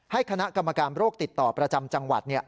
คณะกรรมการโรคติดต่อประจำจังหวัด